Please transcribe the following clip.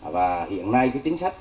và hiện nay cái chính sách